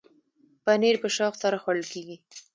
پنېر په شوق سره خوړل کېږي.